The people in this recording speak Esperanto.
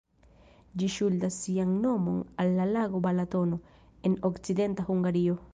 Ĝi ŝuldas sian nomon al la lago Balatono, en okcidenta Hungario.